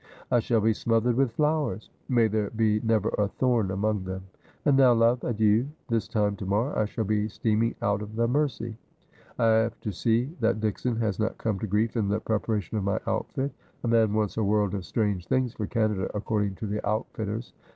'I shall be smothered with flowers.' ' May there be never a thorn among them ! And now, love, adieu. This time to morrow I shall be steaming out of the Mersey. I have to see that Dickson has not come to grief in the preparation of my outfit. A man wants a world of strange things for Canada, according to the outfitters.